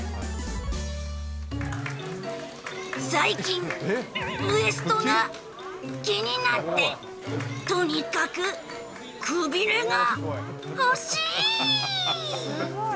最近、ウエストが気になって、とにかくくびれが欲しい！